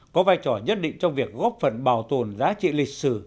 có vai trò nhất định trong việc góp phần bảo tồn giá trị lịch sử